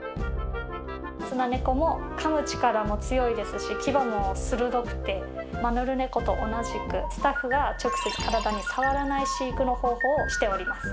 スナネコもかむ力も強いですし牙も鋭くてマヌルネコと同じくスタッフが直接体に触らない飼育の方法をしております。